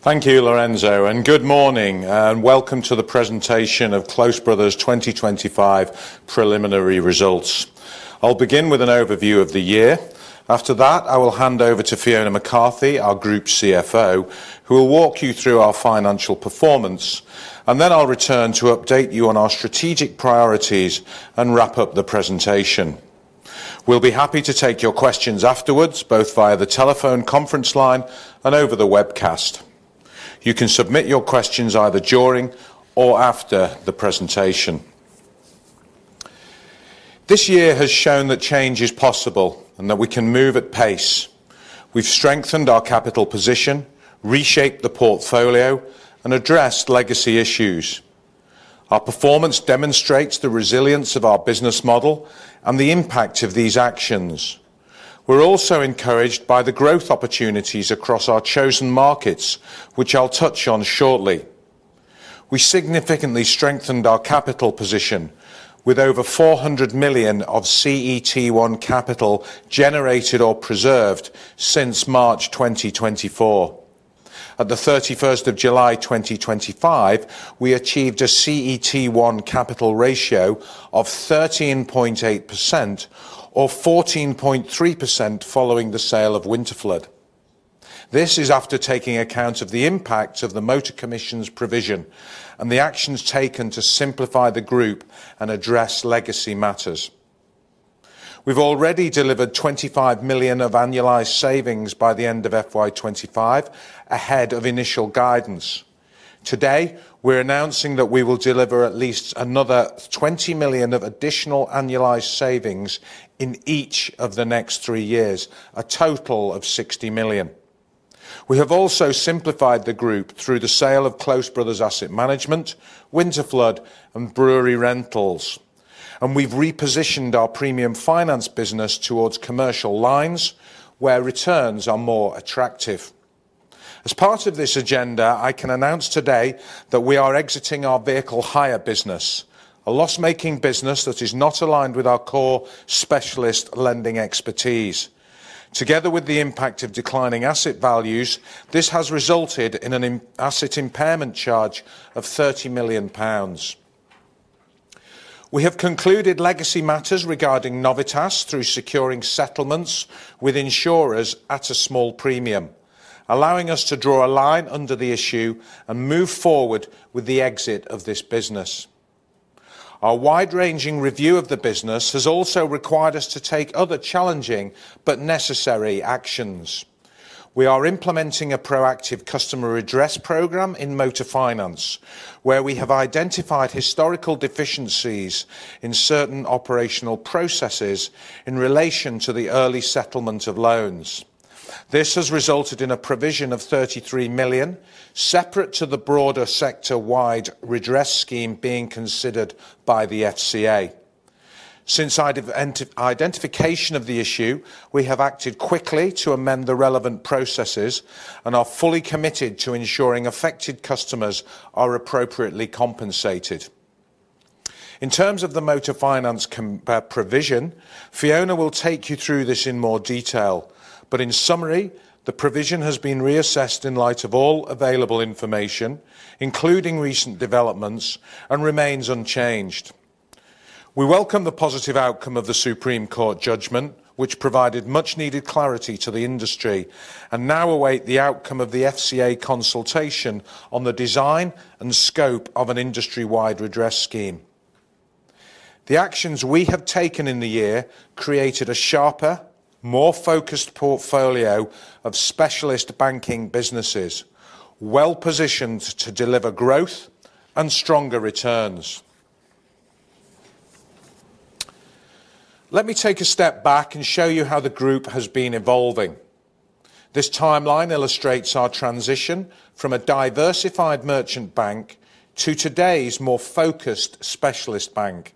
Thank you, Lorenzo, and good morning, and welcome to the presentation of Close Brothers Group plc 2025 preliminary results. I'll begin with an overview of the year. After that, I will hand over to Fiona McCarthy, our Group Chief Financial Officer, who will walk you through our financial performance, and then I'll return to update you on our strategic priorities and wrap up the presentation. We'll be happy to take your questions afterwards, both via the telephone conference line and over the webcast. You can submit your questions either during or after the presentation. This year has shown that change is possible and that we can move at pace. We've strengthened our capital position, reshaped the portfolio, and addressed legacy issues. Our performance demonstrates the resilience of our business model and the impact of these actions. We're also encouraged by the growth opportunities across our chosen markets, which I'll touch on shortly. We significantly strengthened our capital position, with over £400 million of CET1 capital generated or preserved since March 2024. At the 31st of July 2025, we achieved a CET1 capital ratio of 13.8% or 14.3% following the sale of Winterflood Business Services. This is after taking account of the impacts of the motor finance commission redress provision and the actions taken to simplify the group and address legacy matters. We've already delivered £25 million of annualized cost savings by the end of FY 2025, ahead of initial guidance. Today, we're announcing that we will deliver at least another £20 million of additional annualized cost savings in each of the next three years, a total of £60 million. We have also simplified the group through the sale of Close Brothers Asset Management, Winterflood Business Services, and Brewery Rentals, and we've repositioned our premium finance business towards commercial lines, where returns are more attractive. As part of this agenda, I can announce today that we are exiting our vehicle hire business, a loss-making business that is not aligned with our core specialist lending expertise. Together with the impact of declining asset values, this has resulted in an asset impairment charge of £30 million. We have concluded legacy matters regarding Novitas through securing settlements with insurers at a small premium, allowing us to draw a line under the issue and move forward with the exit of this business. Our wide-ranging review of the business has also required us to take other challenging but necessary actions. We are implementing a proactive customer address program in motor finance, where we have identified historical deficiencies in certain operational processes in relation to the early settlement of loans. This has resulted in a provision of £33 million, separate to the broader sector-wide redress scheme being considered by the FCA. Since identification of the issue, we have acted quickly to amend the relevant processes and are fully committed to ensuring affected customers are appropriately compensated. In terms of the motor finance provision, Fiona will take you through this in more detail, but in summary, the provision has been reassessed in light of all available information, including recent developments, and remains unchanged. We welcome the positive outcome of the Supreme Court judgment, which provided much-needed clarity to the industry, and now await the outcome of the FCA consultation on the design and scope of an industry-wide redress scheme. The actions we have taken in the year created a sharper, more focused portfolio of specialist banking businesses, well-positioned to deliver growth and stronger returns. Let me take a step back and show you how the group has been evolving. This timeline illustrates our transition from a diversified merchant bank to today's more focused specialist bank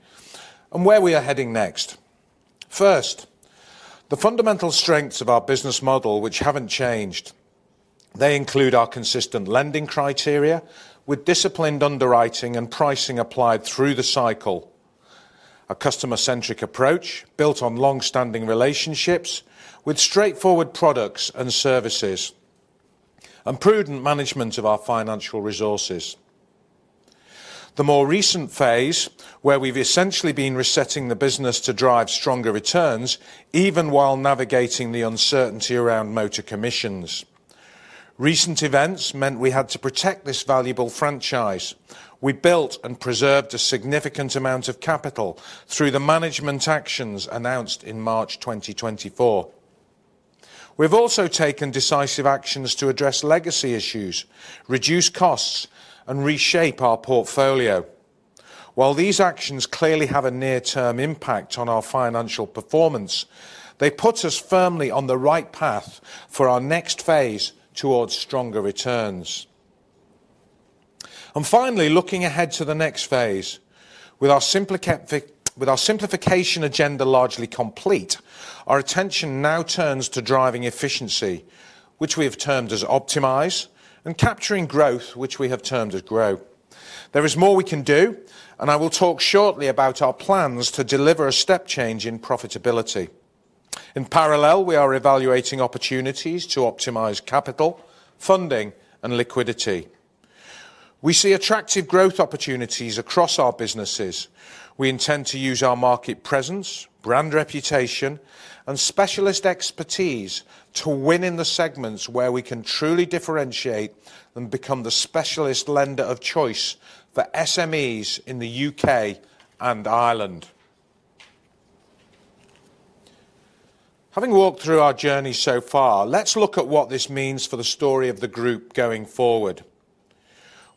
and where we are heading next. First, the fundamental strengths of our business model, which haven't changed. They include our consistent lending criteria, with disciplined underwriting and pricing applied through the cycle. A customer-centric approach built on long-standing relationships, with straightforward products and services, and prudent management of our financial resources. The more recent phase, where we've essentially been resetting the business to drive stronger returns, even while navigating the uncertainty around motor commissions. Recent events meant we had to protect this valuable franchise. We built and preserved a significant amount of capital through the management actions announced in March 2024. We've also taken decisive actions to address legacy issues, reduce costs, and reshape our portfolio. While these actions clearly have a near-term impact on our financial performance, they put us firmly on the right path for our next phase towards stronger returns. Finally, looking ahead to the next phase, with our simplification agenda largely complete, our attention now turns to driving efficiency, which we have termed as optimize, and capturing growth, which we have termed as grow. There is more we can do, and I will talk shortly about our plans to deliver a step change in profitability. In parallel, we are evaluating opportunities to optimize capital, funding, and liquidity. We see attractive growth opportunities across our businesses. We intend to use our market presence, brand reputation, and specialist expertise to win in the segments where we can truly differentiate and become the specialist lender of choice for SMEs in the UK and Ireland. Having walked through our journey so far, let's look at what this means for the story of the group going forward.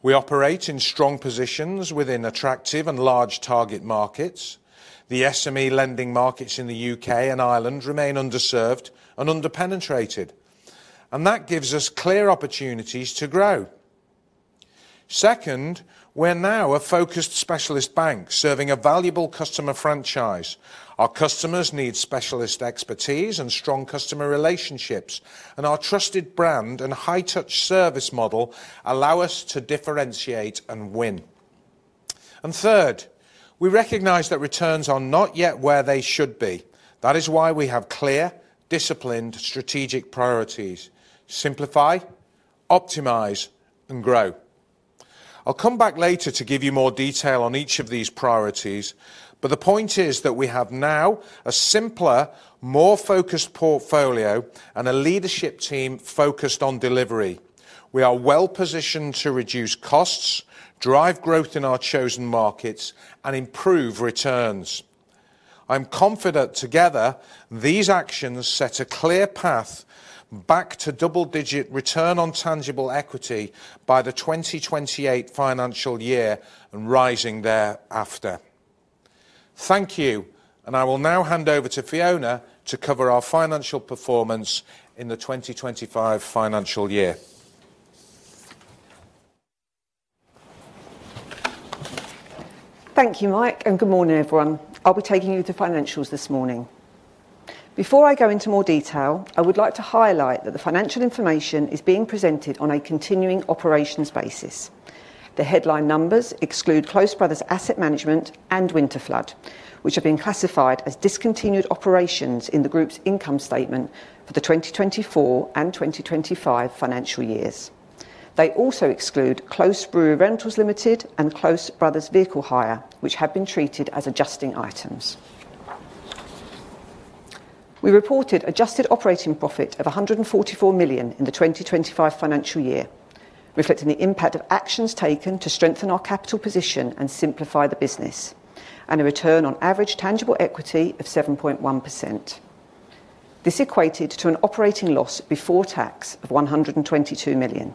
We operate in strong positions within attractive and large target markets. The SME lending markets in the UK and Ireland remain underserved and underpenetrated, and that gives us clear opportunities to grow. Second, we're now a focused specialist bank serving a valuable customer franchise. Our customers need specialist expertise and strong customer relationships, and our trusted brand and high-touch service model allow us to differentiate and win. Third, we recognize that returns are not yet where they should be. That is why we have clear, disciplined, strategic priorities: simplify, optimize, and grow. I'll come back later to give you more detail on each of these priorities, but the point is that we have now a simpler, more focused portfolio and a leadership team focused on delivery. We are well-positioned to reduce costs, drive growth in our chosen markets, and improve returns. I'm confident together, these actions set a clear path back to double-digit return on tangible equity by the 2028 financial year and rising thereafter. Thank you, and I will now hand over to Fiona to cover our financial performance in the 2025 financial year. Thank you, Mike, and good morning, everyone. I'll be taking you through financials this morning. Before I go into more detail, I would like to highlight that the financial information is being presented on a continuing operations basis. The headline numbers exclude Close Brothers Asset Management and Winterflood, which have been classified as discontinued operations in the group's income statement for the 2024 and 2025 financial years. They also exclude Brewery Rentals and Close Brothers Vehicle Hire, which have been treated as adjusting items. We reported adjusted operating profit of £144 million in the 2025 financial year, reflecting the impact of actions taken to strengthen our capital position and simplify the business, and a return on average tangible equity of 7.1%. This equated to an operating loss before tax of £122 million.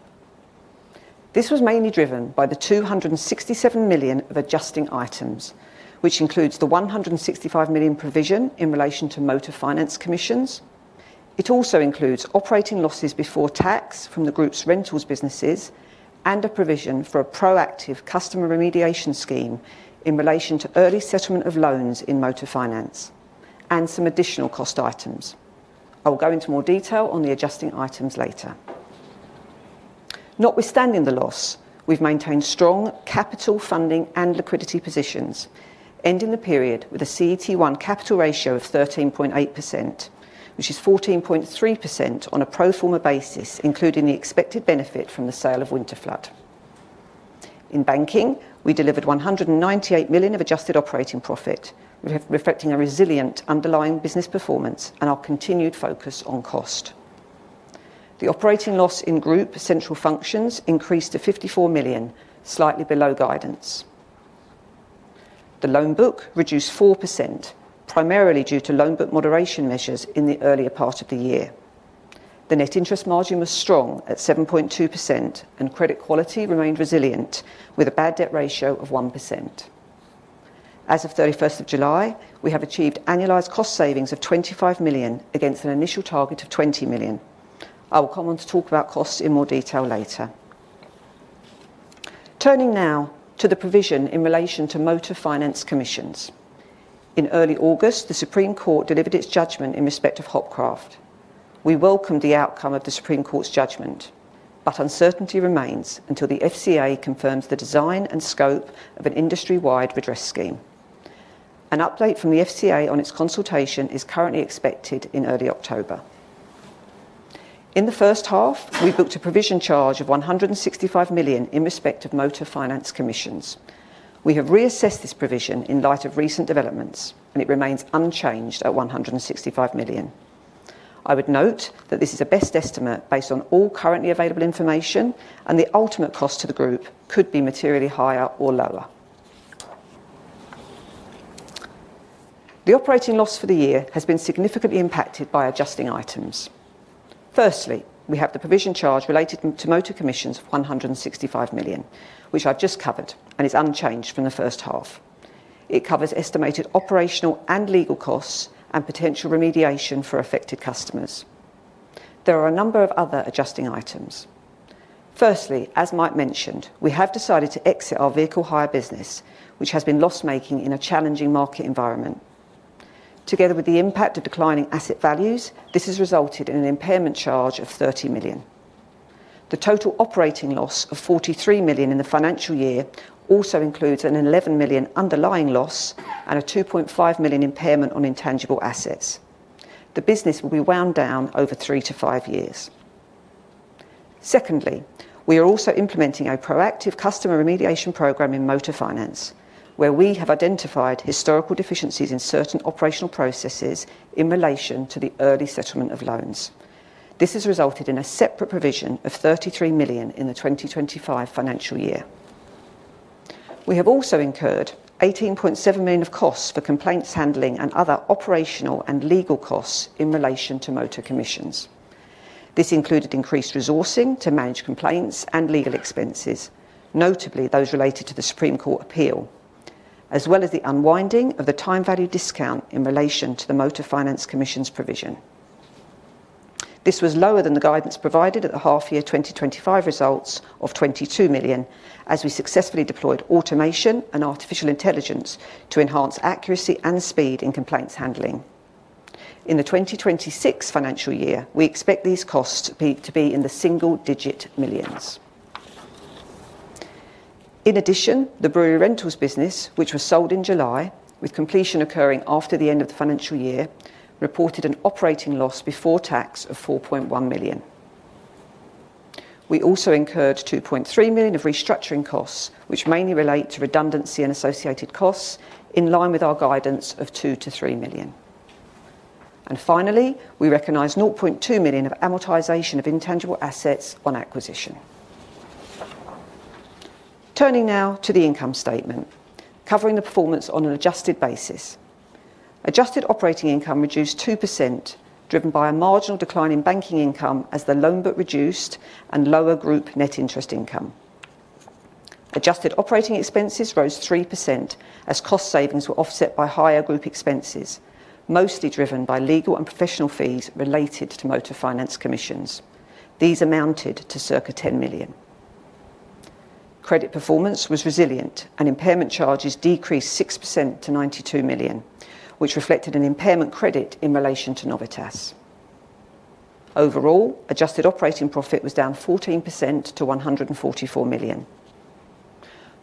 This was mainly driven by the £267 million of adjusting items, which includes the £165 million provision in relation to motor finance commissions. It also includes operating losses before tax from the group's rentals businesses and a provision for a proactive customer remediation scheme in relation to early settlement of loans in motor finance and some additional cost items. I will go into more detail on the adjusting items later. Notwithstanding the loss, we've maintained strong capital, funding, and liquidity positions, ending the period with a CET1 capital ratio of 13.8%, which is 14.3% on a pro forma basis, including the expected benefit from the sale of Winterflood. In banking, we delivered £198 million of adjusted operating profit, reflecting a resilient underlying business performance and our continued focus on cost. The operating loss in group essential functions increased to £54 million, slightly below guidance. The loan book reduced 4%, primarily due to loan book moderation measures in the earlier part of the year. The net interest margin was strong at 7.2%, and credit quality remained resilient, with a bad debt ratio of 1%. As of 31st of July, we have achieved annualized cost savings of £25 million against an initial target of £20 million. I will come on to talk about costs in more detail later. Turning now to the provision in relation to motor finance commissions. In early August, the Supreme Court delivered its judgment in respect of Hopcroft. We welcome the outcome of the Supreme Court's judgment, but uncertainty remains until the FCA confirms the design and scope of an industry-wide redress scheme. An update from the FCA on its consultation is currently expected in early October. In the first half, we booked a provision charge of £165 million in respect of motor finance commissions. We have reassessed this provision in light of recent developments, and it remains unchanged at £165 million. I would note that this is a best estimate based on all currently available information, and the ultimate cost to the group could be materially higher or lower. The operating loss for the year has been significantly impacted by adjusting items. Firstly, we have the provision charge related to motor commissions of £165 million, which I've just covered and is unchanged from the first half. It covers estimated operational and legal costs and potential remediation for affected customers. There are a number of other adjusting items. Firstly, as Mike Morgan mentioned, we have decided to exit our vehicle hire business, which has been loss-making in a challenging market environment. Together with the impact of declining asset values, this has resulted in an impairment charge of £30 million. The total operating loss of £43 million in the financial year also includes an £11 million underlying loss and a £2.5 million impairment on intangible assets. The business will be wound down over three to five years. Secondly, we are also implementing a proactive customer remediation program in motor finance, where we have identified historical deficiencies in certain operational processes in relation to the early settlement of loans. This has resulted in a separate provision of £33 million in the 2025 financial year. We have also incurred £18.7 million of costs for complaints handling and other operational and legal costs in relation to motor commissions. This included increased resourcing to manage complaints and legal expenses, notably those related to the Supreme Court appeal, as well as the unwinding of the time value discount in relation to the motor finance commissions provision. This was lower than the guidance provided at the half-year 2025 results of £22 million, as we successfully deployed automation and AI to enhance accuracy and speed in complaints handling. In the 2026 financial year, we expect these costs to be in the single-digit millions. In addition, the Brewery Rentals business, which was sold in July, with completion occurring after the end of the financial year, reported an operating loss before tax of £4.1 million. We also incurred £2.3 million of restructuring costs, which mainly relate to redundancy and associated costs, in line with our guidance of £2 million-£3 million. Finally, we recognize £0.2 million of amortization of intangible assets on acquisition. Turning now to the income statement, covering the performance on an adjusted basis. Adjusted operating income reduced 2%, driven by a marginal decline in banking income as the loan book reduced and lower group net interest income. Adjusted operating expenses rose 3% as cost savings were offset by higher group expenses, mostly driven by legal and professional fees related to motor finance commissions. These amounted to circa £10 million. Credit performance was resilient, and impairment charges decreased 6% to £92 million, which reflected an impairment credit in relation to Novitas. Overall, adjusted operating profit was down 14% to £144 million.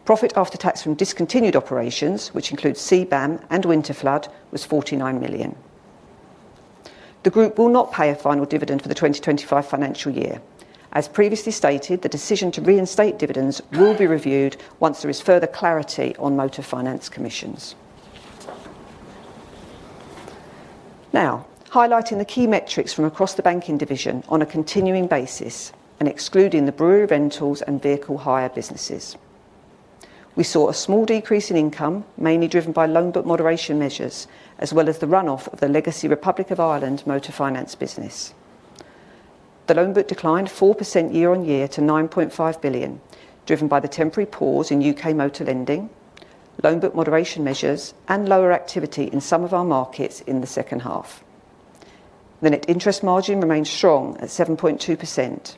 Profit after tax from discontinued operations, which includes Close Brothers Asset Management and Winterflood Business Services, was £49 million. The group will not pay a final dividend for the 2025 financial year. As previously stated, the decision to reinstate dividends will be reviewed once there is further clarity on motor finance commissions. Now, highlighting the key metrics from across the banking division on a continuing basis and excluding the Brewery Rentals and vehicle hire businesses. We saw a small decrease in income, mainly driven by loan book moderation measures, as well as the runoff of the legacy Republic of Ireland motor finance business. The loan book declined 4% year on year to £9.5 billion, driven by the temporary pause in UK motor lending, loan book moderation measures, and lower activity in some of our markets in the second half. The net interest margin remains strong at 7.2%,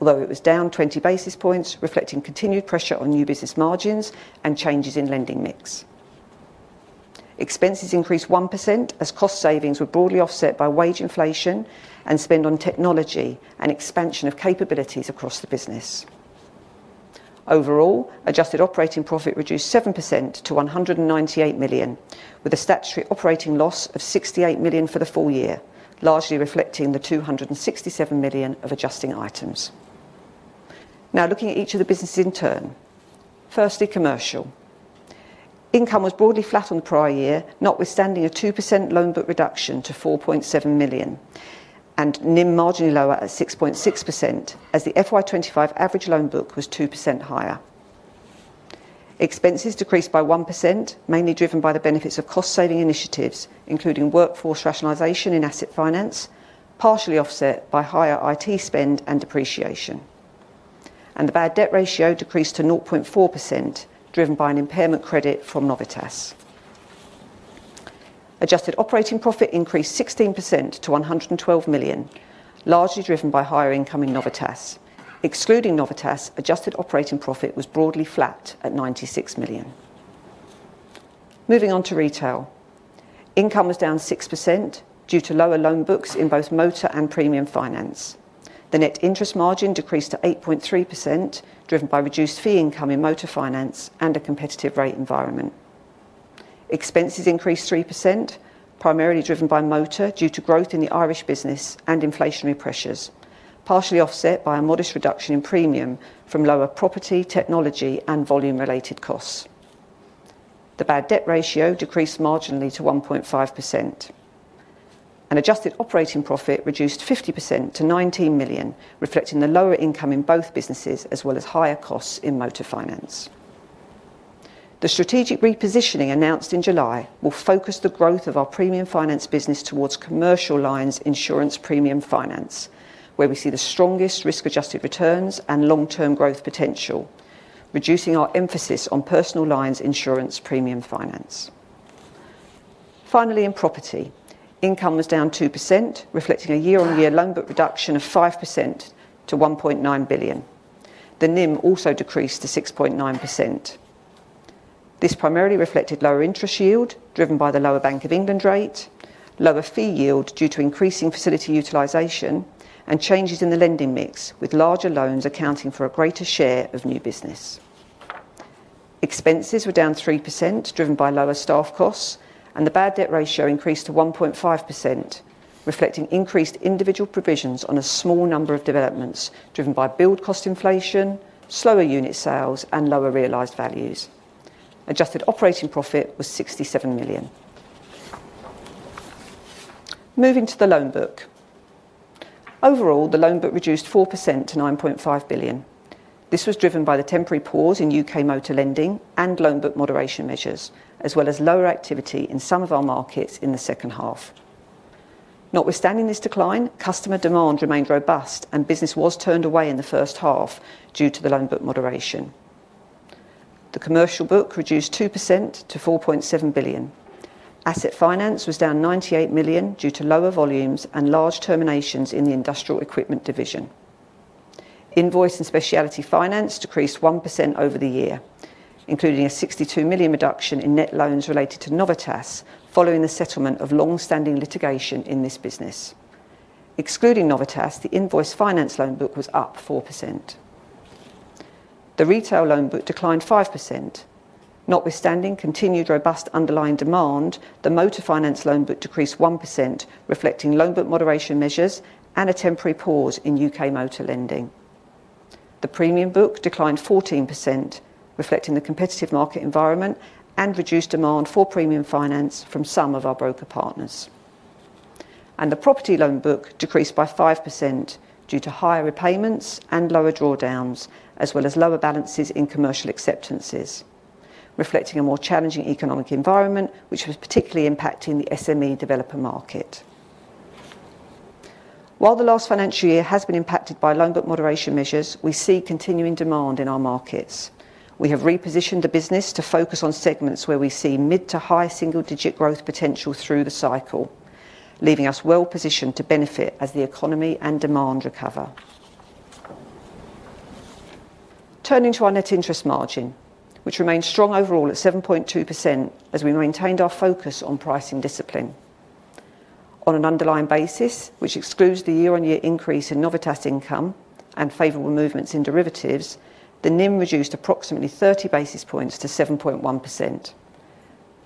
although it was down 20 basis points, reflecting continued pressure on new business margins and changes in lending mix. Expenses increased 1% as cost savings were broadly offset by wage inflation and spend on technology and expansion of capabilities across the business. Overall, adjusted operating profit reduced 7% to £198 million, with a statutory operating loss of £68 million for the full year, largely reflecting the £267 million of adjusting items. Now, looking at each of the businesses in turn. Firstly, commercial. Income was broadly flat on the prior year, notwithstanding a 2% loan book reduction to £4.7 billion, and net interest margin marginally lower at 6.6% as the FY 2025 average loan book was 2% higher. Expenses decreased by 1%, mainly driven by the benefits of cost-saving initiatives, including workforce rationalization in asset finance, partially offset by higher IT spend and depreciation. The bad debt ratio decreased to 0.4%, driven by an impairment credit from Novitas. Adjusted operating profit increased 16% to £112 million, largely driven by higher income in Novitas. Excluding Novitas, adjusted operating profit was broadly flat at £96 million. Moving on to retail, income was down 6% due to lower loan books in both motor and premium finance. The net interest margin decreased to 8.3%, driven by reduced fee income in motor finance and a competitive rate environment. Expenses increased 3%, primarily driven by motor due to growth in the Irish business and inflationary pressures, partially offset by a modest reduction in premium from lower property, technology, and volume-related costs. The bad debt ratio decreased marginally to 1.5%. Adjusted operating profit reduced 50% to £19 million, reflecting the lower income in both businesses as well as higher costs in motor finance. The strategic repositioning announced in July will focus the growth of our premium finance business towards commercial lines insurance premium finance, where we see the strongest risk-adjusted returns and long-term growth potential, reducing our emphasis on personal lines insurance premium finance. Finally, in property, income was down 2%, reflecting a year-on-year loan book reduction of 5% to £1.9 billion. The NIM also decreased to 6.9%. This primarily reflected lower interest yield, driven by the lower Bank of England rate, lower fee yield due to increasing facility utilization, and changes in the lending mix with larger loans accounting for a greater share of new business. Expenses were down 3%, driven by lower staff costs, and the bad debt ratio increased to 1.5%, reflecting increased individual provisions on a small number of developments, driven by build cost inflation, slower unit sales, and lower realized values. Adjusted operating profit was £67 million. Moving to the loan book, overall, the loan book reduced 4% to £9.5 billion. This was driven by the temporary pause in UK motor lending and loan book moderation measures, as well as lower activity in some of our markets in the second half. Notwithstanding this decline, customer demand remained robust and business was turned away in the first half due to the loan book moderation. The commercial book reduced 2% to £4.7 billion. Asset finance was down £98 million due to lower volumes and large terminations in the industrial equipment division. Invoice and specialty finance decreased 1% over the year, including a £62 million reduction in net loans related to Novitas following the settlement of long-standing litigation in this business. Excluding Novitas, the invoice finance loan book was up 4%. The retail loan book declined 5%. Notwithstanding continued robust underlying demand, the motor finance loan book decreased 1%, reflecting loan book moderation measures and a temporary pause in UK motor lending. The premium book declined 14%, reflecting the competitive market environment and reduced demand for premium finance from some of our broker partners. The property loan book decreased by 5% due to higher repayments and lower drawdowns, as well as lower balances in commercial acceptances, reflecting a more challenging economic environment, which was particularly impacting the SME developer market. While the last financial year has been impacted by loan book moderation measures, we see continuing demand in our markets. We have repositioned the business to focus on segments where we see mid to high single-digit growth potential through the cycle, leaving us well-positioned to benefit as the economy and demand recover. Turning to our net interest margin, which remains strong overall at 7.2% as we maintained our focus on pricing discipline. On an underlying basis, which excludes the year-on-year increase in Novitas income and favorable movements in derivatives, the NIM reduced approximately 30 basis points to 7.1%.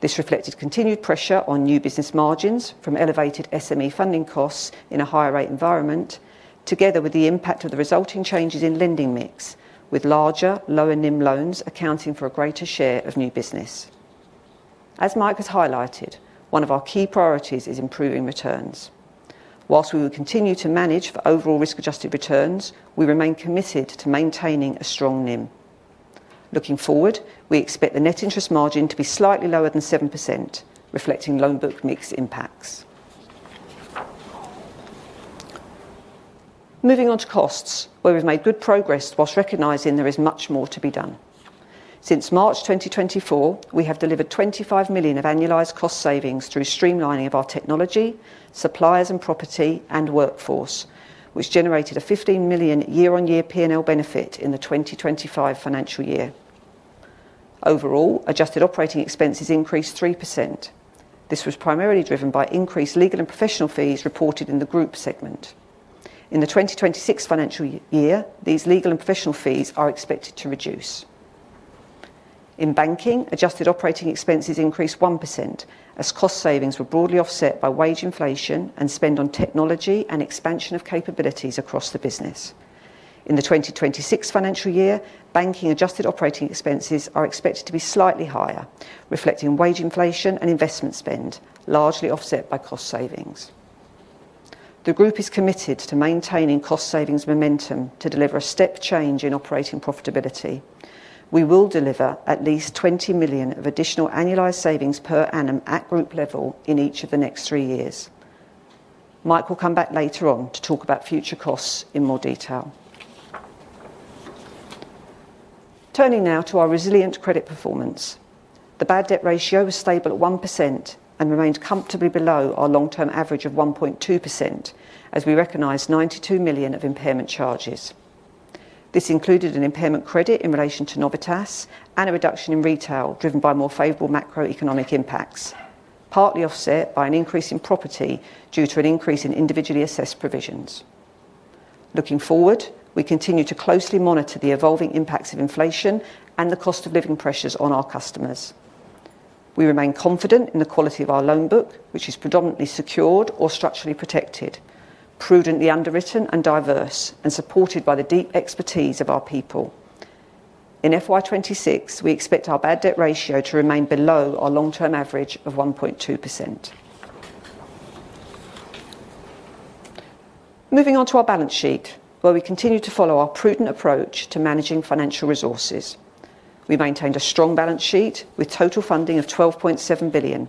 This reflected continued pressure on new business margins from elevated SME funding costs in a higher rate environment, together with the impact of the resulting changes in lending mix, with larger, lower NIM loans accounting for a greater share of new business. As Mike has highlighted, one of our key priorities is improving returns. Whilst we will continue to manage for overall risk-adjusted returns, we remain committed to maintaining a strong NIM. Looking forward, we expect the net interest margin to be slightly lower than 7%, reflecting loan book mix impacts. Moving on to costs, where we've made good progress whilst recognizing there is much more to be done. Since March 2024, we have delivered £25 million of annualized cost savings through the streamlining of our technology, suppliers, property, and workforce, which generated a £15 million year-on-year P&L benefit in the 2025 financial year. Overall, adjusted operating expenses increased 3%. This was primarily driven by increased legal and professional fees reported in the group segment. In the 2026 financial year, these legal and professional fees are expected to reduce. In banking, adjusted operating expenses increased 1% as cost savings were broadly offset by wage inflation and spend on technology and expansion of capabilities across the business. In the 2026 financial year, banking adjusted operating expenses are expected to be slightly higher, reflecting wage inflation and investment spend, largely offset by cost savings. The group is committed to maintaining cost savings momentum to deliver a step change in operating profitability. We will deliver at least £20 million of additional annualized savings per annum at group level in each of the next three years. Mike will come back later on to talk about future costs in more detail. Turning now to our resilient credit performance. The bad debt ratio was stable at 1% and remained comfortably below our long-term average of 1.2% as we recognized £92 million of impairment charges. This included an impairment credit in relation to Novitas and a reduction in retail driven by more favorable macroeconomic impacts, partly offset by an increase in property due to an increase in individually assessed provisions. Looking forward, we continue to closely monitor the evolving impacts of inflation and the cost of living pressures on our customers. We remain confident in the quality of our loan book, which is predominantly secured or structurally protected, prudently underwritten and diverse, and supported by the deep expertise of our people. In FY 2026, we expect our bad debt ratio to remain below our long-term average of 1.2%. Moving on to our balance sheet, where we continue to follow our prudent approach to managing financial resources. We maintained a strong balance sheet with total funding of £12.7 billion.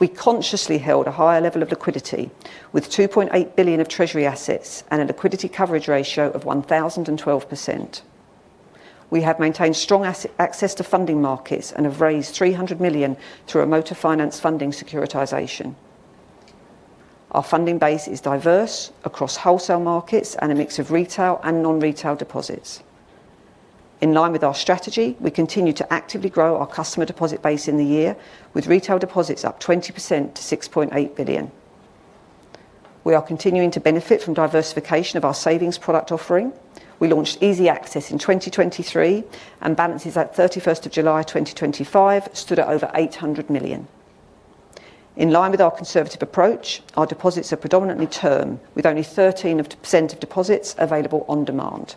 We consciously held a higher level of liquidity with £2.8 billion of treasury assets and a liquidity coverage ratio of 1,012%. We have maintained strong access to funding markets and have raised £300 million through a motor finance funding securitization. Our funding base is diverse across wholesale markets and a mix of retail and non-retail deposits. In line with our strategy, we continue to actively grow our customer deposit base in the year, with retail deposits up 20% to £6.8 billion. We are continuing to benefit from diversification of our savings product offering. We launched easy access in 2023, and balances at 31st of July 2025 stood at over £800 million. In line with our conservative approach, our deposits are predominantly term, with only 13% of deposits available on demand.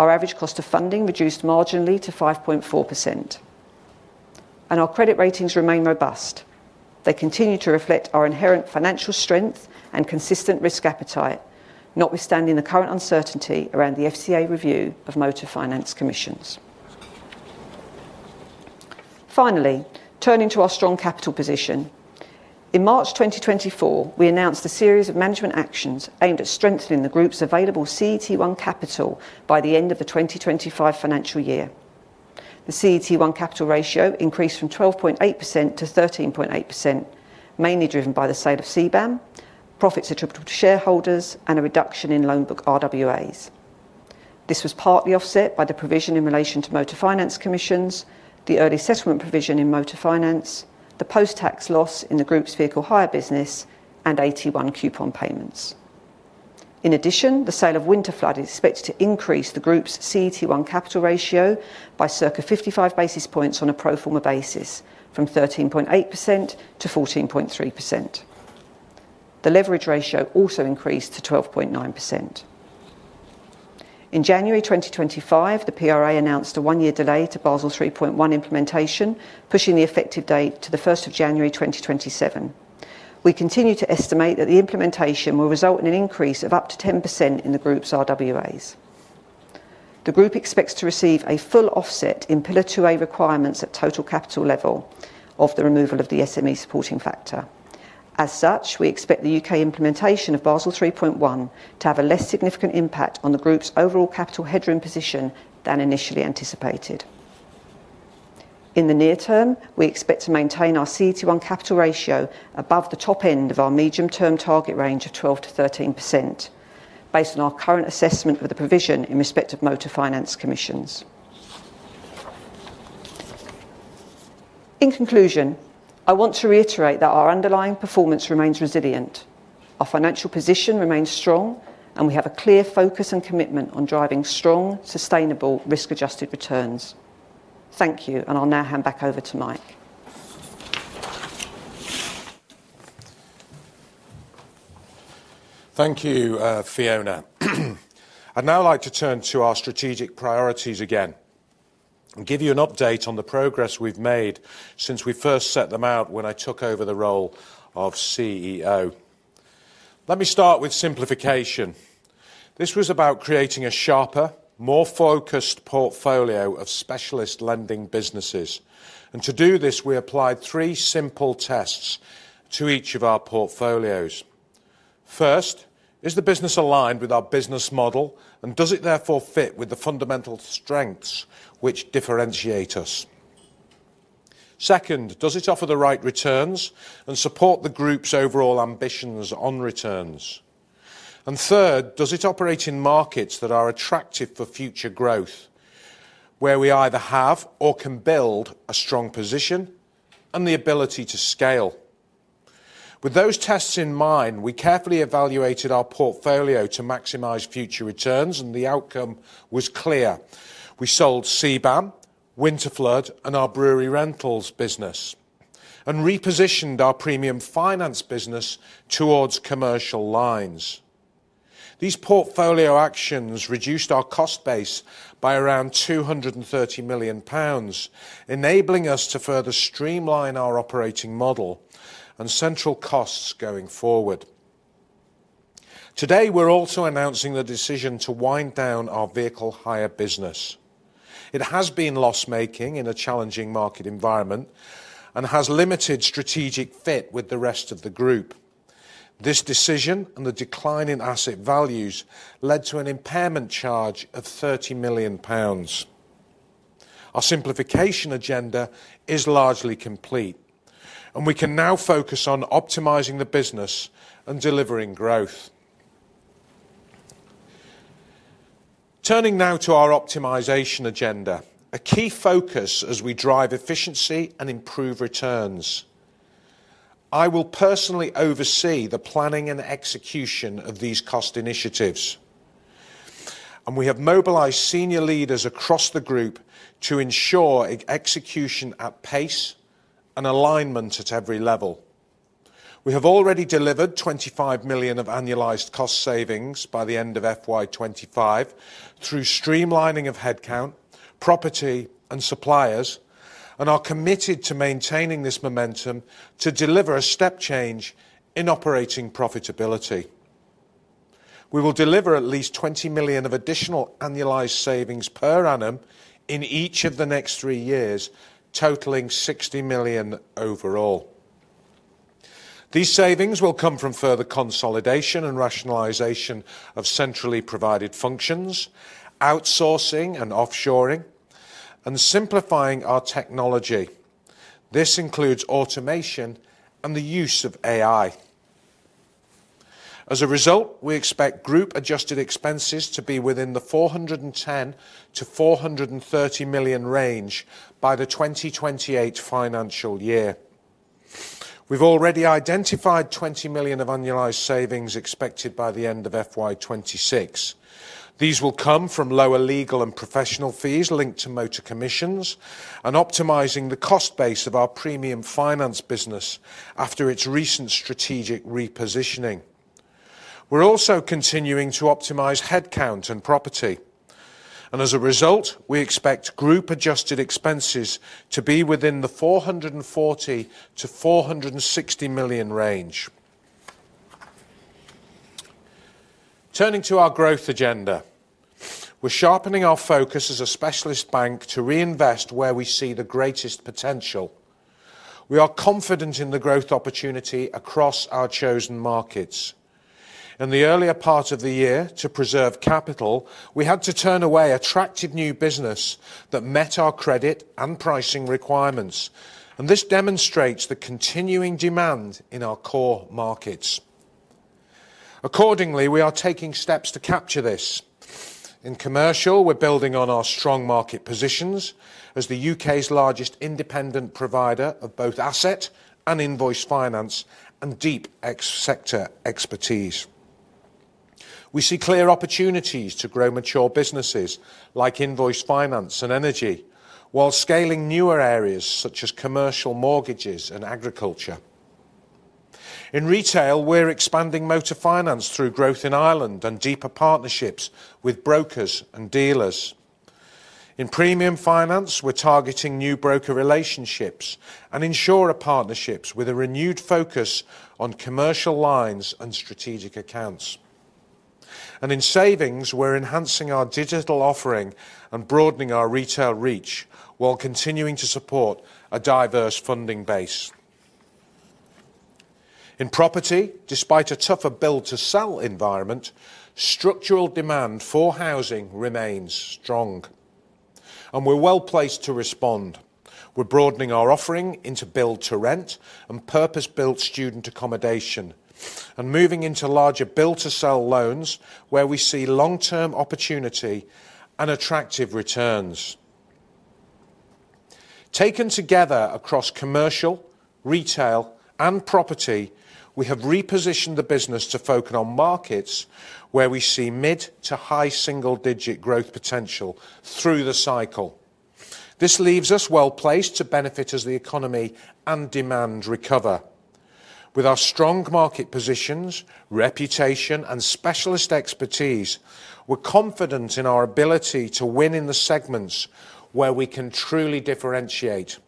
Our average cost of funding reduced marginally to 5.4%. Our credit ratings remain robust. They continue to reflect our inherent financial strength and consistent risk appetite, notwithstanding the current uncertainty around the FCA review of motor finance commissions. Finally, turning to our strong capital position. In March 2024, we announced a series of management actions aimed at strengthening the group's available CET1 capital by the end of the 2025 financial year. The CET1 capital ratio increased from 12.8% to 13.8%, mainly driven by the sale of Close Brothers Asset Management, profits attributable to shareholders, and a reduction in loan book RWAs. This was partly offset by the provision in relation to motor finance commissions, the early settlement provision in motor finance, the post-tax loss in the group's vehicle hire business, and AT1 coupon payments. In addition, the sale of Winterflood Business Services is expected to increase the group's CET1 capital ratio by circa 55 basis points on a pro forma basis from 13.8% to 14.3%. The leverage ratio also increased to 12.9%. In January 2025, the PRA announced a one-year delay to Basel 3.1 implementation, pushing the effective date to the 1st of January 2027. We continue to estimate that the implementation will result in an increase of up to 10% in the group's RWAs. The group expects to receive a full offset in Pillar 2A requirements at total capital level of the removal of the SME supporting factor. As such, we expect the UK implementation of Basel 3.1 to have a less significant impact on the group's overall capital hedging position than initially anticipated. In the near term, we expect to maintain our CET1 capital ratio above the top end of our medium-term target range of 12%-13%, based on our current assessment of the provision in respect of motor finance commissions. In conclusion, I want to reiterate that our underlying performance remains resilient. Our financial position remains strong, and we have a clear focus and commitment on driving strong, sustainable risk-adjusted returns. Thank you, and I'll now hand back over to Mike. Thank you, Fiona. I'd now like to turn to our strategic priorities again and give you an update on the progress we've made since we first set them out when I took over the role of CEO. Let me start with simplification. This was about creating a sharper, more focused portfolio of specialist lending businesses. To do this, we applied three simple tests to each of our portfolios. First, is the business aligned with our business model, and does it therefore fit with the fundamental strengths which differentiate us? Second, does it offer the right returns and support the group's overall ambitions on returns? Third, does it operate in markets that are attractive for future growth, where we either have or can build a strong position and the ability to scale? With those tests in mind, we carefully evaluated our portfolio to maximize future returns, and the outcome was clear. We sold Close Brothers Asset Management, Winterflood Business Services, and our Brewery Rentals business and repositioned our premium finance business towards commercial lines. These portfolio actions reduced our cost base by around £230 million, enabling us to further streamline our operating model and central costs going forward. Today, we're also announcing the decision to wind down our vehicle hire business. It has been loss-making in a challenging market environment and has limited strategic fit with the rest of the group. This decision and the decline in asset values led to an impairment charge of £30 million. Our simplification agenda is largely complete, and we can now focus on optimizing the business and delivering growth. Turning now to our optimization agenda, a key focus as we drive efficiency and improve returns. I will personally oversee the planning and execution of these cost initiatives. We have mobilized senior leaders across the group to ensure execution at pace and alignment at every level. We have already delivered £25 million of annualized cost savings by the end of FY 2025 through streamlining of headcount, property, and suppliers, and are committed to maintaining this momentum to deliver a step change in operating profitability. We will deliver at least £20 million of additional annualized savings per annum in each of the next three years, totaling £60 million overall. These savings will come from further consolidation and rationalization of centrally provided functions, outsourcing and offshoring, and simplifying our technology. This includes automation and the use of AI. As a result, we expect group adjusted expenses to be within the £410 million-£430 million range by the 2028 financial year. We've already identified £20 million of annualized savings expected by the end of FY 2026. These will come from lower legal and professional fees linked to motor commissions and optimizing the cost base of our premium finance business after its recent strategic repositioning. We're also continuing to optimize headcount and property. As a result, we expect group adjusted expenses to be within the £440 million-£460 million range. Turning to our growth agenda, we're sharpening our focus as a specialist bank to reinvest where we see the greatest potential. We are confident in the growth opportunity across our chosen markets. In the earlier part of the year, to preserve capital, we had to turn away attractive new business that met our credit and pricing requirements, and this demonstrates the continuing demand in our core markets. Accordingly, we are taking steps to capture this. In commercial, we're building on our strong market positions as the UK's largest independent provider of both asset and invoice finance and deep sector expertise. We see clear opportunities to grow mature businesses like invoice finance and energy, while scaling newer areas such as commercial mortgages and agriculture. In retail, we're expanding motor finance through growth in Ireland and deeper partnerships with brokers and dealers. In premium finance, we're targeting new broker relationships and insurer partnerships with a renewed focus on commercial lines and strategic accounts. In savings, we're enhancing our digital offering and broadening our retail reach while continuing to support a diverse funding base. In property, despite a tougher build-to-sell environment, structural demand for housing remains strong. We're well placed to respond. We're broadening our offering into build-to-rent and purpose-built student accommodation, and moving into larger build-to-sell loans where we see long-term opportunity and attractive returns. Taken together across commercial, retail, and property, we have repositioned the business to focus on markets where we see mid to high single-digit growth potential through the cycle. This leaves us well placed to benefit as the economy and demand recover. With our strong market positions, reputation, and specialist expertise, we're confident in our ability to win in the segments where we can truly differentiate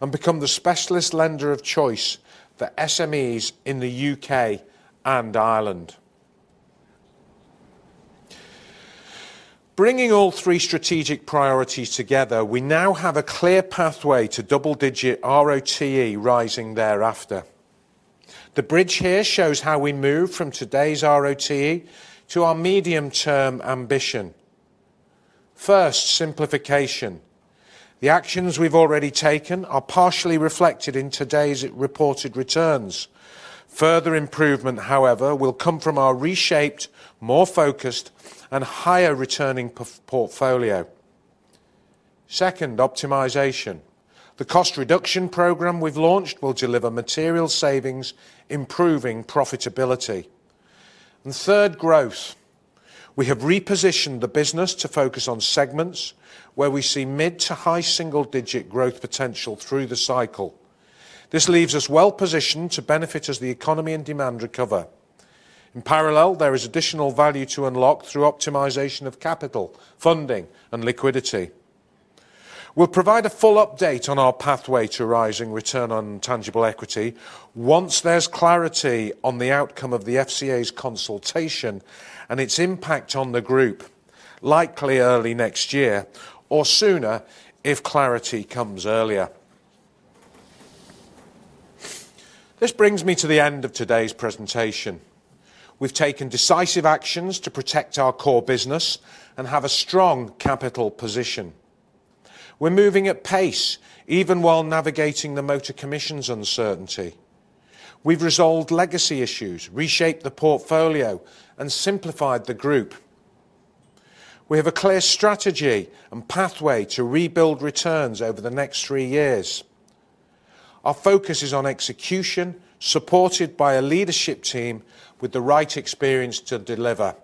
and become the specialist lender of choice for SMEs in the UK and Ireland. Bringing all three strategic priorities together, we now have a clear pathway to double-digit ROTE rising thereafter. The bridge here shows how we move from today's ROTE to our medium-term ambition. First, simplification. The actions we've already taken are partially reflected in today's reported returns. Further improvement, however, will come from our reshaped, more focused, and higher returning portfolio. Second, optimization. The cost reduction program we've launched will deliver material savings, improving profitability. Third, growth. We have repositioned the business to focus on segments where we see mid to high single-digit growth potential through the cycle. This leaves us well positioned to benefit as the economy and demand recover. In parallel, there is additional value to unlock through optimization of capital, funding, and liquidity. We'll provide a full update on our pathway to rising return on tangible equity once there's clarity on the outcome of the FCA's consultation and its impact on the group, likely early next year or sooner if clarity comes earlier. This brings me to the end of today's presentation. We've taken decisive actions to protect our core business and have a strong capital position. We're moving at pace, even while navigating the motor commissions uncertainty. We've resolved legacy issues, reshaped the portfolio, and simplified the group. We have a clear strategy and pathway to rebuild returns over the next three years. Our focus is on execution, supported by a leadership team with the right experience to deliver.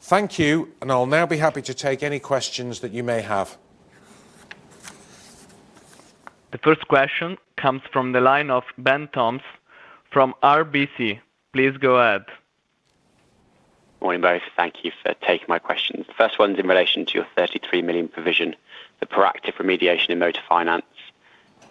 Thank you, and I'll now be happy to take any questions that you may have. The first question comes from the line of Ben Toms from RBC. Please go ahead. Morning, guys. Thank you for taking my questions. The first one is in relation to your £33 million provision for proactive remediation in motor finance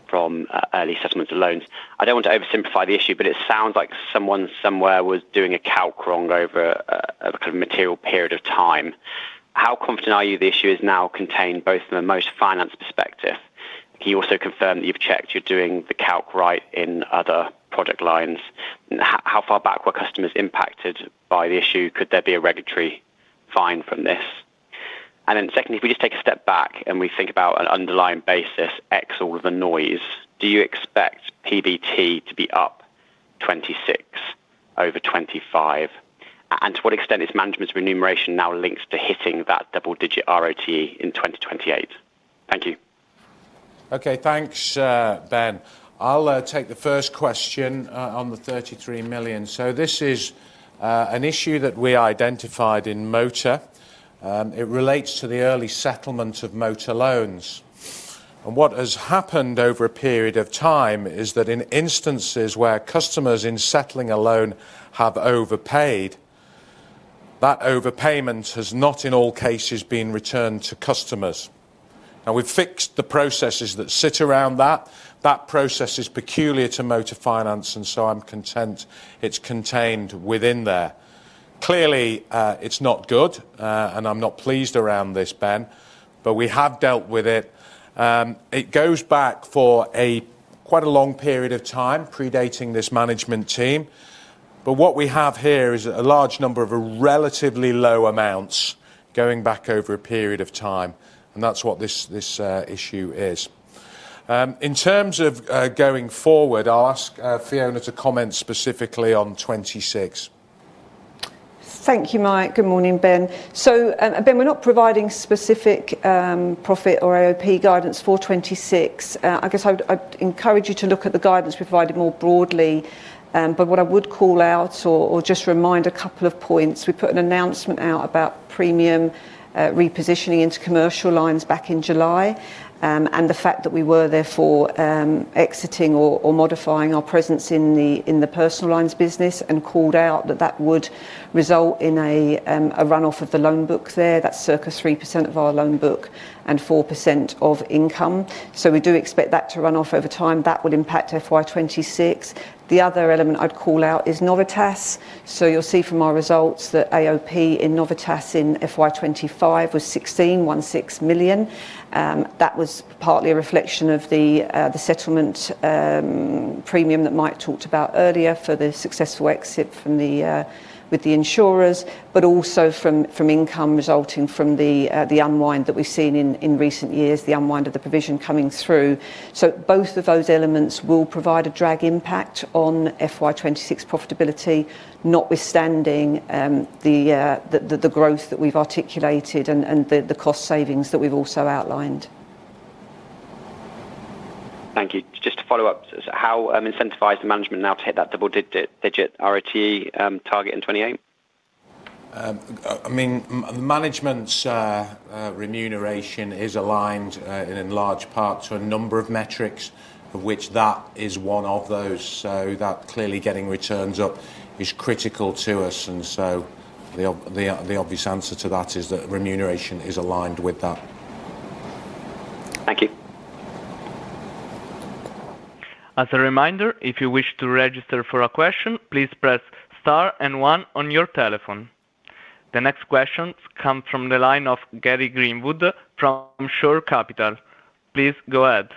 from early settlements of loans. I don't want to oversimplify the issue, but it sounds like someone somewhere was doing a calc wrong over a kind of material period of time. How confident are you the issue is now contained both from a motor finance perspective? You also confirmed that you've checked you're doing the calc right in other product lines. How far back were customers impacted by the issue? Could there be a regulatory fine from this? Secondly, if we just take a step back and we think about an underlying basis X all of the noise, do you expect PBT to be up 26% over 2025? To what extent is management's remuneration now linked to hitting that double-digit ROTE in 2028? Thank you. Okay, thanks, Ben. I'll take the first question on the £33 million. This is an issue that we identified in motor. It relates to the early settlement of motor loans. What has happened over a period of time is that in instances where customers, in settling a loan, have overpaid, that overpayment has not in all cases been returned to customers. We've fixed the processes that sit around that. That process is peculiar to motor finance, and I'm content it's contained within there. Clearly, it's not good, and I'm not pleased around this, Ben, but we have dealt with it. It goes back for quite a long period of time, predating this management team. What we have here is a large number of relatively low amounts going back over a period of time, and that's what this issue is. In terms of going forward, I'll ask Fiona to comment specifically on 2026. Thank you, Mike. Good morning, Ben. Ben, we're not providing specific profit or AOP guidance for 2026. I'd encourage you to look at the guidance we provided more broadly. What I would call out or just remind a couple of points, we put an announcement out about premium repositioning into commercial lines back in July, and the fact that we were therefore exiting or modifying our presence in the personal lines business and called out that that would result in a runoff of the loan book there. That's circa 3% of our loan book and 4% of income. We do expect that to run off over time. That would impact FY 2026. The other element I'd call out is Novitas. You'll see from our results that AOP in Novitas in FY 2025 was £1.6 million. That was partly a reflection of the settlement premium that Mike talked about earlier for the successful exit with the insurers, but also from income resulting from the unwind that we've seen in recent years, the unwind of the provision coming through. Both of those elements will provide a drag impact on FY 2026 profitability, notwithstanding the growth that we've articulated and the cost savings that we've also outlined. Thank you. Just to follow up, how incentivized is the management now to hit that double-digit return on average tangible equity target in 2028? Management's remuneration is aligned in large part to a number of metrics, of which that is one of those. Clearly, getting returns up is critical to us. The obvious answer to that is that remuneration is aligned with that. Thank you. As a reminder, if you wish to register for a question, please press star and one on your telephone. The next questions come from the line of Gary Greenwood from Shore Capital. Please go ahead.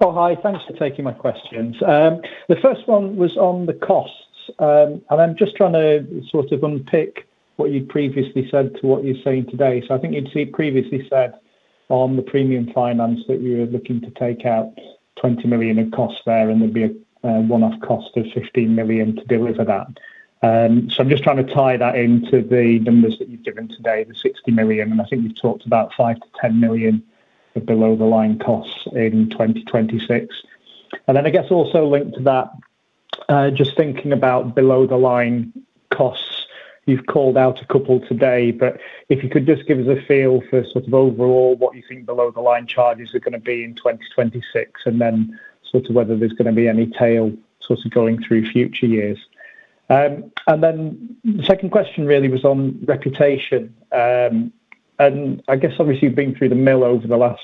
Oh, hi. Thanks for taking my questions. The first one was on the costs, and I'm just trying to sort of unpick what you'd previously said to what you're saying today. I think you'd previously said on the premium finance that you're looking to take out £20 million in costs there, and there'd be a one-off cost of £15 million to deliver that. I'm just trying to tie that into the numbers that you've given today, the £60 million, and I think you've talked about £5 to £10 million of below-the-line costs in 2026. I guess also linked to that, just thinking about below-the-line costs, you've called out a couple today, but if you could just give the feel for sort of overall what you think below-the-line charges are going to be in 2026, and whether there's going to be any tail sort of going through future years. The second question really was on reputation. I guess obviously you've been through the mill over the last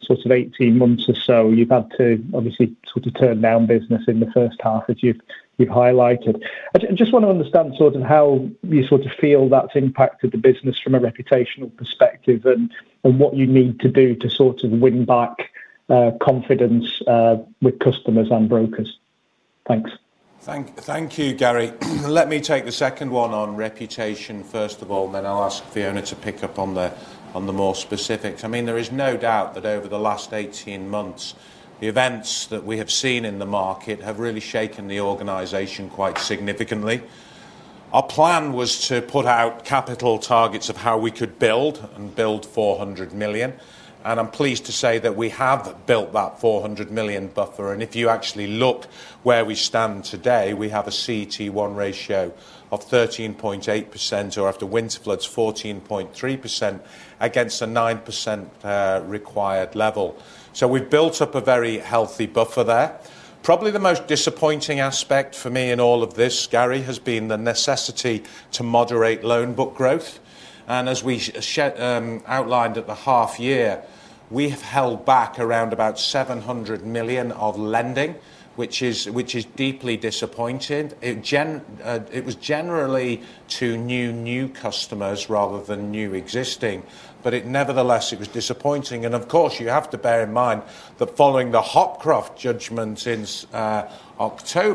sort of 18 months or so. You've had to obviously sort of turn down business in the first half, as you've highlighted. I just want to understand how you sort of feel that's impacted the business from a reputational perspective and what you need to do to sort of win back confidence with customers and brokers. Thanks. Thank you, Gary. Let me take the second one on reputation first of all, and then I'll ask Fiona to pick up on the more specifics. There is no doubt that over the last 18 months, the events that we have seen in the market have really shaken the organization quite significantly. Our plan was to put out capital targets of how we could build and build £400 million. I'm pleased to say that we have built that £400 million buffer. If you actually look where we stand today, we have a CET1 ratio of 13.8% or after Winterflood's, 14.3% against a 9% required level. We have built up a very healthy buffer there. Probably the most disappointing aspect for me in all of this, Gary, has been the necessity to moderate loan book growth. As we outlined at the half-year, we have held back around £700 million of lending, which is deeply disappointing. It was generally to new new customers rather than new existing, but nevertheless, it was disappointing. You have to bear in mind that following the Hopcroft judgment in October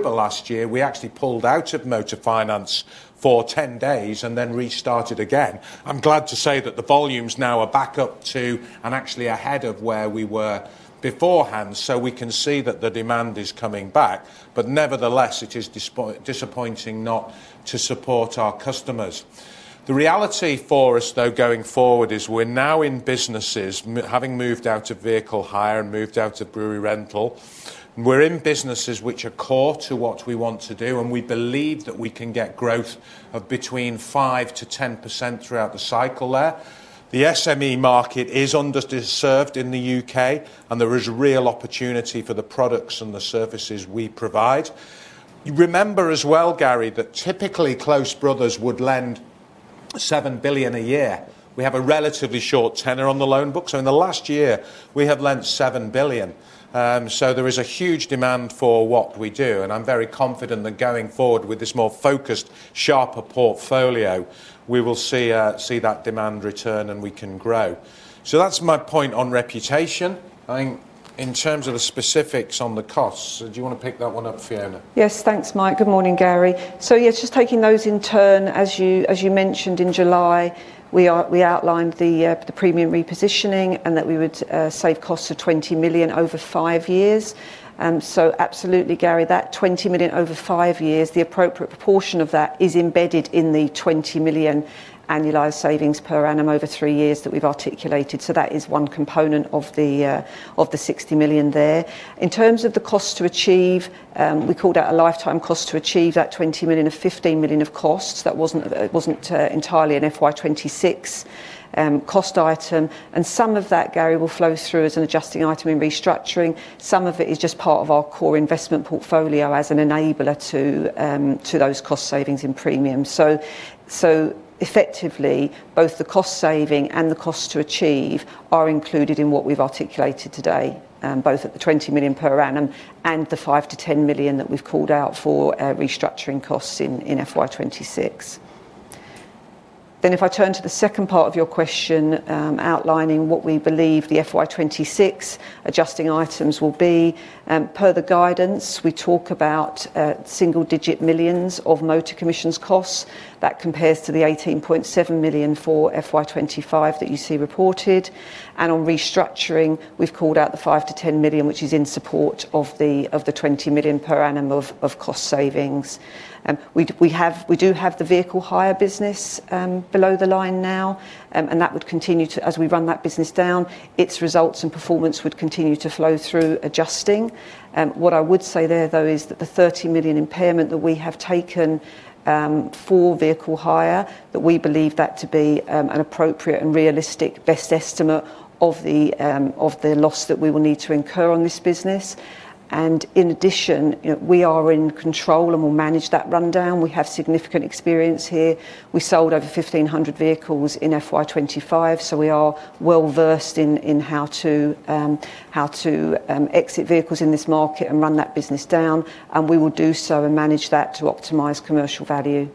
2023, we actually pulled out of motor finance for 10 days and then restarted again. I'm glad to say that the volumes now are back up to and actually ahead of where we were beforehand. We can see that the demand is coming back, but nevertheless, it is disappointing not to support our customers. The reality for us, though, going forward is we're now in businesses having moved out of vehicle hire and moved out of Brewery Rentals. We're in businesses which are core to what we want to do, and we believe that we can get growth of between 5% to 10% throughout the cycle there. The SME market is underserved in the UK, and there is real opportunity for the products and the services we provide. You remember as well, Gary, that typically Close Brothers would lend £7 billion a year. We have a relatively short tenor on the loan book. In the last year, we have lent £7 billion. There is a huge demand for what we do. I'm very confident that going forward with this more focused, sharper portfolio, we will see that demand return and we can grow. That's my point on reputation. I think in terms of the specifics on the costs, do you want to pick that one up, Fiona? Yes, thanks, Mike. Good morning, Gary. Just taking those in turn, as you mentioned in July, we outlined the premium repositioning and that we would save costs of £20 million over five years. Absolutely, Gary, that £20 million over five years, the appropriate proportion of that is embedded in the £20 million annualized savings per annum over three years that we've articulated. That is one component of the £60 million there. In terms of the cost to achieve, we called out a lifetime cost to achieve that £20 million of £15 million of costs. That wasn't entirely an FY 2026 cost item. Some of that, Gary, will flow through as an adjusting item in restructuring. Some of it is just part of our core investment portfolio as an enabler to those cost savings in premium. Effectively, both the cost saving and the cost to achieve are included in what we've articulated today, both at the £20 million per annum and the £5 million-£10 million that we've called out for restructuring costs in FY 2026. If I turn to the second part of your question, outlining what we believe the FY 2026 adjusting items will be, per the guidance, we talk about single-digit millions of motor commissions costs. That compares to the £18.7 million for FY 2025 that you see reported. On restructuring, we've called out the £5 million-£10 million, which is in support of the £20 million per annum of cost savings. We do have the vehicle hire business below the line now, and as we run that business down, its results and performance would continue to flow through adjusting. What I would say there, though, is that the £30 million impairment that we have taken for vehicle hire, we believe that to be an appropriate and realistic best estimate of the loss that we will need to incur on this business. In addition, we are in control and will manage that rundown. We have significant experience here. We sold over 1,500 vehicles in FY 2025, so we are well-versed in how to exit vehicles in this market and run that business down. We will do so and manage that to optimize commercial value.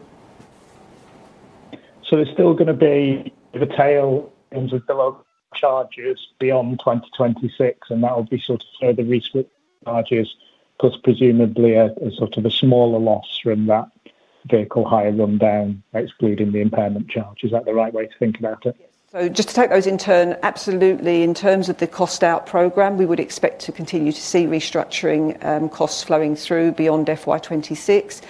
There is still going to be the tail in the bill of charges beyond 2026, and that will be sort of further restricted charges because presumably a sort of a smaller loss from that vehicle hire rundown, excluding the impairment charges. Is that the right way to think about it? Absolutely, in terms of the cost-out program, we would expect to continue to see restructuring costs flowing through beyond FY 2026.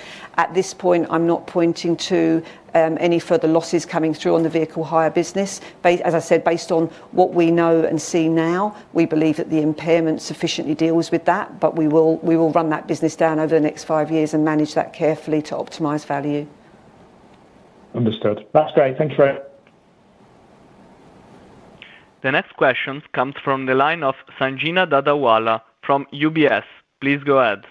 At this point, I'm not pointing to any further losses coming through on the vehicle hire business. As I said, based on what we know and see now, we believe that the impairment sufficiently deals with that, but we will run that business down over the next five years and manage that carefully to optimize value. Understood. That's great. Thanks for it. The next questions come from the line of Sanjena Dadawala from UBS. Please go ahead.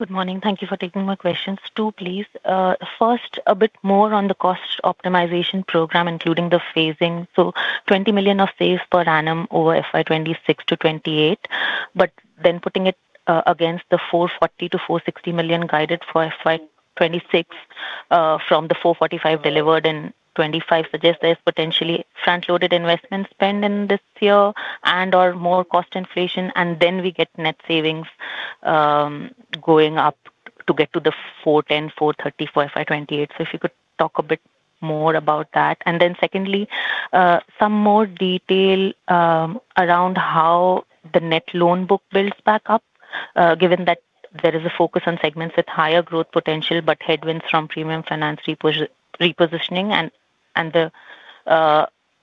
Good morning. Thank you for taking my questions, two, please. First, a bit more on the cost optimization program, including the phasing. £20 million of phase per annum over FY 2026 to FY 2028, but then putting it against the £440 million-£460 million guided for FY 2026 from the £445 million delivered in FY 2025 suggests there's potentially front-loaded investment spend in this year and/or more cost inflation, and then we get net savings going up to get to the £410 million-£430 million for FY 2028. If you could talk a bit more about that. Secondly, some more detail around how the net loan book builds back up, given that there is a focus on segments with higher growth potential, but headwinds from premium finance repositioning and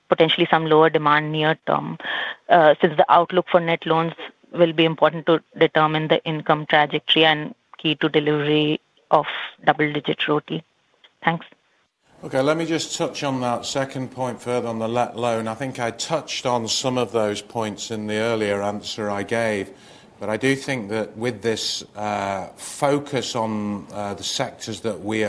potentially some lower demand near term. The outlook for net loans will be important to determine the income trajectory and key to delivery of double-digit royalty. Thanks. Okay, let me just touch on that second point further on the loan. I think I touched on some of those points in the earlier answer I gave, but I do think that with this focus on the sectors that we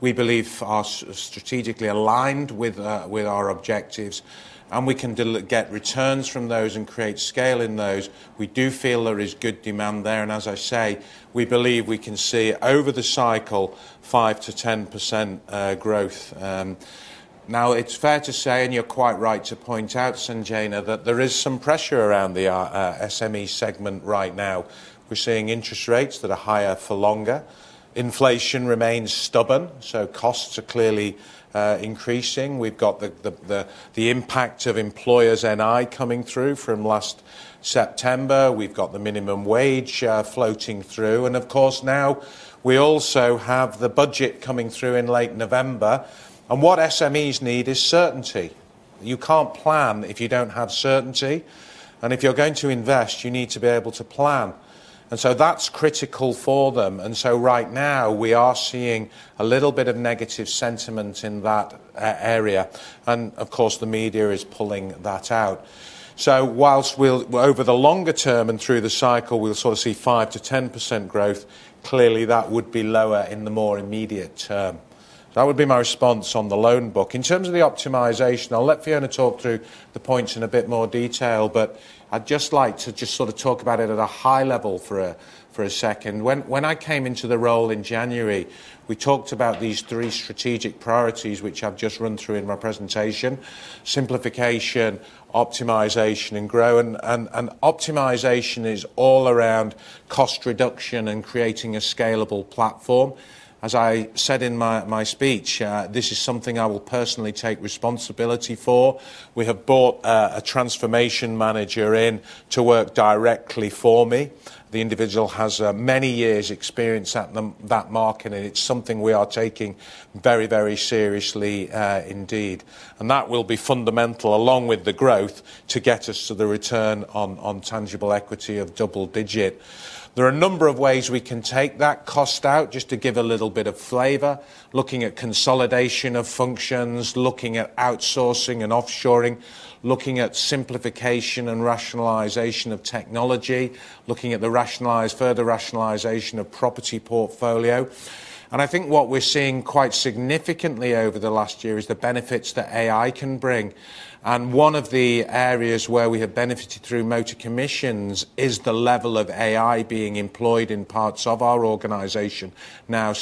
believe are strategically aligned with our objectives, and we can get returns from those and create scale in those, we do feel there is good demand there. As I say, we believe we can see over the cycle 5%-10% growth. Now, it's fair to say, and you're quite right to point out, Sanjena, that there is some pressure around the SME segment right now. We're seeing interest rates that are higher for longer. Inflation remains stubborn, so costs are clearly increasing. We've got the impact of employers' NI coming through from last September. We've got the minimum wage floating through. Of course, now we also have the budget coming through in late November. What SMEs need is certainty. You can't plan if you don't have certainty. If you're going to invest, you need to be able to plan. That's critical for them. Right now, we are seeing a little bit of negative sentiment in that area. The media is pulling that out. Whilst we're over the longer term and through the cycle, we'll sort of see 5%-10% growth, clearly that would be lower in the more immediate term. That would be my response on the loan book. In terms of the optimization, I'll let Fiona talk through the points in a bit more detail, but I'd just like to just sort of talk about it at a high level for a second. When I came into the role in January, we talked about these three strategic priorities, which I've just run through in my presentation: simplification, optimization, and growth. Optimization is all around cost reduction and creating a scalable platform. As I said in my speech, this is something I will personally take responsibility for. We have brought a transformation manager in to work directly for me. The individual has many years' experience at that market, and it's something we are taking very, very seriously indeed. That will be fundamental, along with the growth, to get us to the return on tangible equity of double digit. There are a number of ways we can take that cost out, just to give a little bit of flavor. Looking at consolidation of functions, looking at outsourcing and offshoring, looking at simplification and rationalization of technology, looking at the further rationalization of property portfolio. I think what we're seeing quite significantly over the last year is the benefits that AI can bring. One of the areas where we have benefited through motor commissions is the level of AI being employed in parts of our organization now.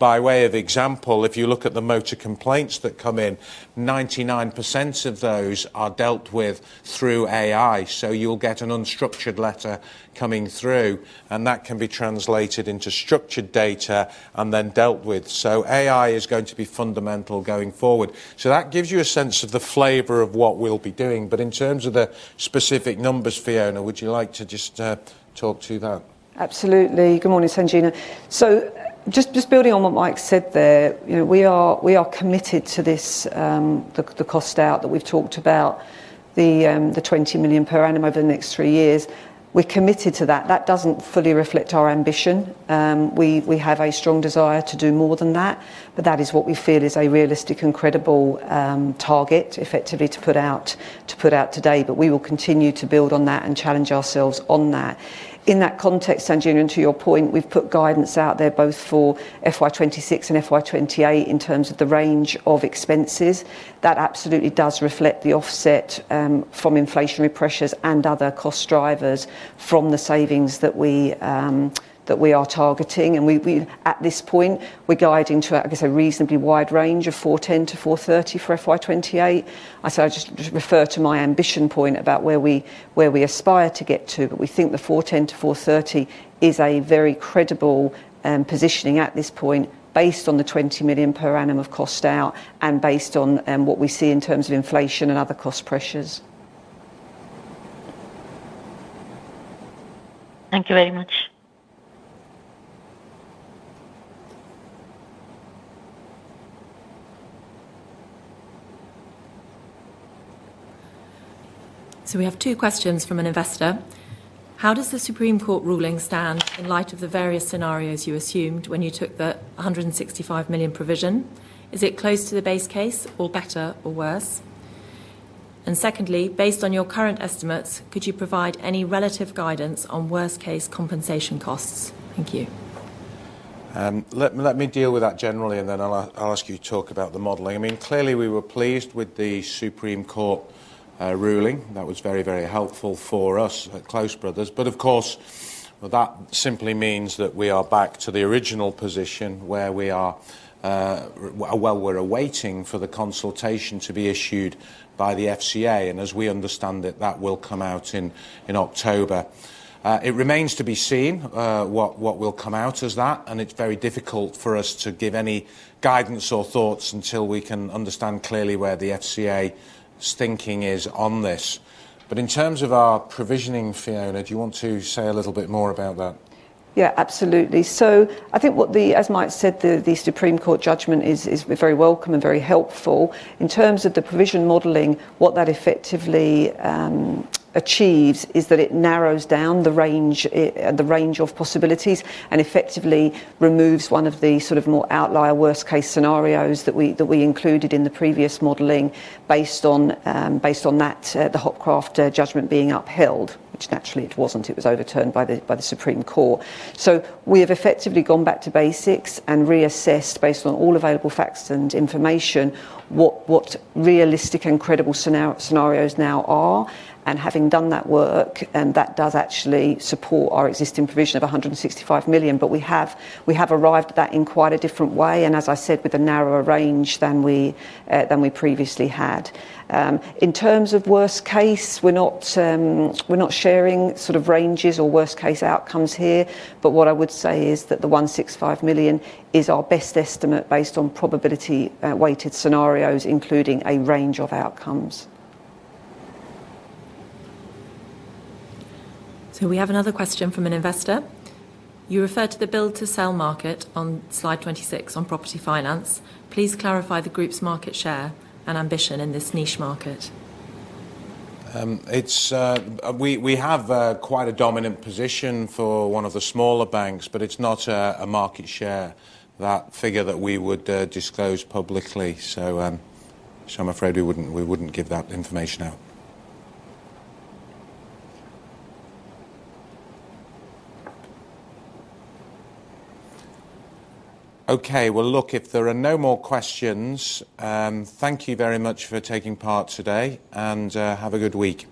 For example, if you look at the motor complaints that come in, 99% of those are dealt with through AI. You'll get an unstructured letter coming through, and that can be translated into structured data and then dealt with. AI is going to be fundamental going forward. That gives you a sense of the flavor of what we'll be doing. In terms of the specific numbers, Fiona, would you like to just talk to that? Absolutely. Good morning, Sanjana. Just building on what Mike said there, we are committed to this, the cost out that we've talked about, the £20 million per annum over the next three years. We're committed to that. That doesn't fully reflect our ambition. We have a strong desire to do more than that, but that is what we feel is a realistic and credible target effectively to put out today. We will continue to build on that and challenge ourselves on that. In that context, Sanjena, and to your point, we've put guidance out there both for FY 2026 and FY 2028 in terms of the range of expenses. That absolutely does reflect the offset from inflationary pressures and other cost drivers from the savings that we are targeting. At this point, we're guiding to a reasonably wide range of £410 million-£430 million for FY 2028. I said I'd just refer to my ambition point about where we aspire to get to, but we think the £410 million-£430 million is a very credible positioning at this point based on the £20 million per annum of cost out and based on what we see in terms of inflation and other cost pressures. Thank you very much. We have two questions from an investor. How does the Supreme Court ruling stand in light of the various scenarios you assumed when you took the £165 million provision? Is it close to the base case or better or worse? Secondly, based on your current estimates, could you provide any relative guidance on worst-case compensation costs? Thank you. Let me deal with that generally, and then I'll ask you to talk about the modeling. Clearly, we were pleased with the Supreme Court ruling. That was very, very helpful for us at Close Brothers Group plc. Of course, that simply means that we are back to the original position where we are awaiting the consultation to be issued by the FCA. As we understand it, that will come out in October. It remains to be seen what will come out of that, and it's very difficult for us to give any guidance or thoughts until we can understand clearly where the FCA's thinking is on this. In terms of our provisioning, Fiona, do you want to say a little bit more about that? Yeah, absolutely. I think what the, as Mike said, the Supreme Court judgment is very welcome and very helpful. In terms of the provision modeling, what that effectively achieves is that it narrows down the range of possibilities and effectively removes one of the more outlier, worst-case scenarios that we included in the previous modeling based on the Hopcroft judgment being upheld, which it wasn't. It was overturned by the Supreme Court. We have effectively gone back to basics and reassessed, based on all available facts and information, what realistic and credible scenarios now are. Having done that work, that does actually support our existing provision of £165 million. We have arrived at that in quite a different way, and, as I said, with a narrower range than we previously had. In terms of worst case, we're not sharing ranges or worst-case outcomes here, but what I would say is that the £165 million is our best estimate based on probability-weighted scenarios, including a range of outcomes. We have another question from an investor. You refer to the build-to-sell market on slide 26 on property finance. Please clarify the group's market share and ambition in this niche market. We have quite a dominant position for one of the smaller banks, but it's not a market share figure that we would disclose publicly. I'm afraid we wouldn't give that information out. If there are no more questions, thank you very much for taking part today, and have a good week.